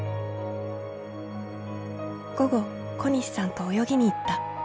「午後小西さんと泳ぎに行った。